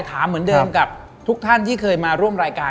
ถามเหมือนเดิมกับทุกท่านที่เคยมาร่วมรายการ